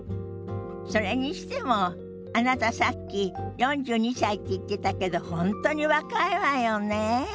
それにしてもあなたさっき４２歳って言ってたけど本当に若いわよねえ。